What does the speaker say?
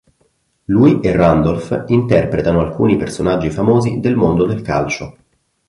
Lui e Randolph interpretano alcuni personaggi famosi del mondo del calcio.